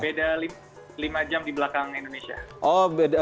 beda lima jam di belakang indonesia